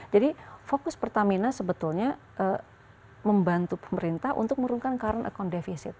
jadi fokus pertamina sebetulnya membantu pemerintah untuk mengurungkan current account deficit